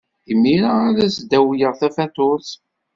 Imir-a ad as-d-awyeɣ tafatuṛt.